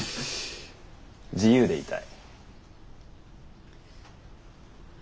自由でいたい。